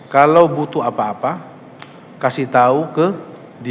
kalau butuh apa apa kasih tahu ke dia